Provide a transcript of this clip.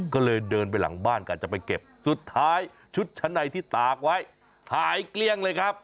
ก็เลยเดินไปหลังบ้านก่อนจะไปเก็บสุดท้ายชุดชั้นในที่ตากไว้หายเกลี้ยงเลยครับ